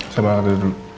saya balik ke beda dulu